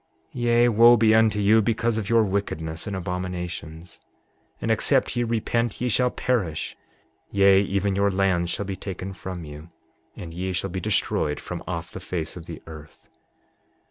7:27 Yea, wo be unto you because of your wickedness and abominations! 7:28 And except ye repent ye shall perish; yea, even your lands shall be taken from you, and ye shall be destroyed from off the face of the earth.